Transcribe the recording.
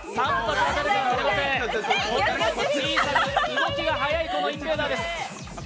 動きが速い、このインベーダーです